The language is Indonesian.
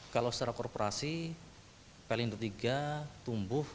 kalau secara korporasi pelindo tiga tumbuh